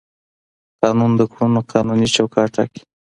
قانون د کړنو قانوني چوکاټ ټاکي.